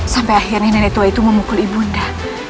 sampai akhirnya nenek tua itu memukul ibu nda